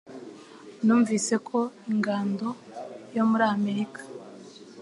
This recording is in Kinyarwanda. Numvise ko ingando yo muri Amerika